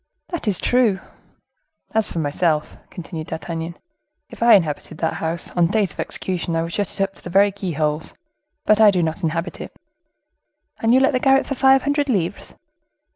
"That is true." "As for myself," continued D'Artagnan, "if I inhabited that house, on days of execution I would shut it up to the very keyholes; but I do not inhabit it." "And you let the garret for five hundred livres?"